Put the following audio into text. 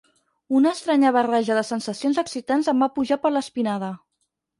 Una estranya barreja de sensacions excitants em va pujar per l'espinada.